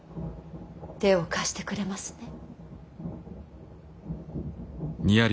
手を貸してくれますね。